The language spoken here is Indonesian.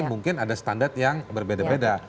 mungkin ada standar yang berbeda beda